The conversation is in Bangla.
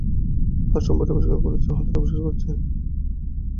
হাঁ, সম্প্রতিই আবিষ্কার করেছি এবং হঠাৎ আবিষ্কারই করেছি।